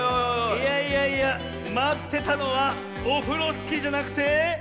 いやいやいやまってたのはオフロスキーじゃなくて。